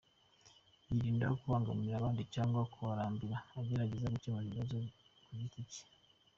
Yirinda kubangamira abandi cyangwa kubarambira, agerageza gukemura ibibazo ku giti cye.